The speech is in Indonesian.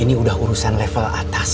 ini udah urusan level atas